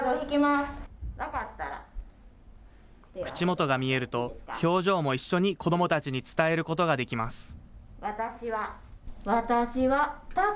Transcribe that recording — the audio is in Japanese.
口元が見えると、表情も一緒に子どもたちに伝えることができます。